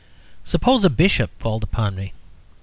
Suppose a Bishop called upon me.